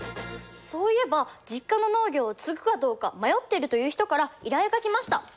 そういえば実家の農業を継ぐかどうか迷ってるという人から依頼が来ました。